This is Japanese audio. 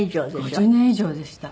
５０年以上でした。